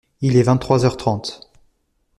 Il est vingt-trois heures trente.